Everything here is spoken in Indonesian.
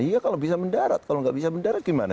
iya kalau bisa mendarat kalau tidak bisa mendarat bagaimana